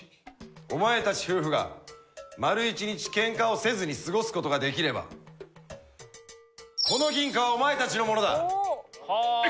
お前たち夫婦が丸１日ケンカをせずに過ごすことができればこの銀貨はお前たちのものだ。え！